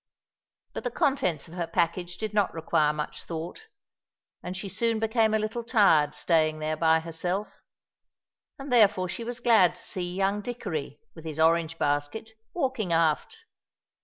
But the contents of her package did not require much thought, and she soon became a little tired staying there by herself, and therefore she was glad to see young Dickory, with his orange basket, walking aft.